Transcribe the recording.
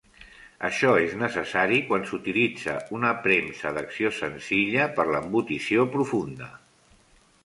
Això és necessari quan s'utilitza una premsa d'acció senzilla per l'embotició profunda.